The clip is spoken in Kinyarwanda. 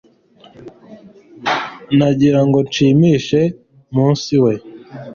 nagira ngo nshimishe munsi we